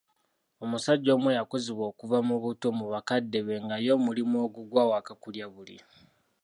Omusajja omu eyakuzibwa okuva mu buto mu bakadde be nga ye omulimu ogugwe awaka kulya buli.